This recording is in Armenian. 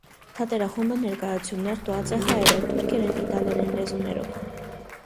Թատերախումբը ներկայացումներ տուած է հայերէն, թուրքերէն, իտալերէն լեզուներով։